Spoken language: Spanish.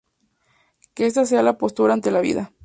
Que esta sea la "postura ante la vida".